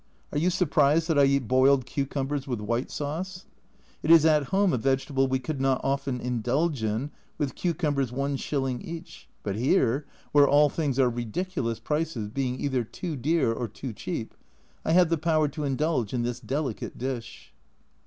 Are you surprised that I eat boiled cucumbers with white sauce? It is at home a vegetable we could not often indulge in, with cucumbers is. each, but here, where all things are A Journal from Japan 189 ridiculous prices, being either too dear or too cheap, I have the power to indulge in this delicate dish.